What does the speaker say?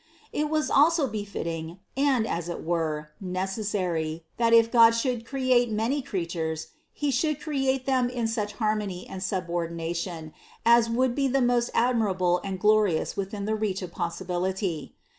It was also befitting and, as it were, necessary, that if God should create many crea tures, He should create them in such harmony and sub ordination, as would be the most admirable and glorious within the reach of possibility.